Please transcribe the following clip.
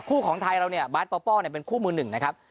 ของไทยเราเนี่ยบาสปอป้อเป็นคู่มือหนึ่งนะครับ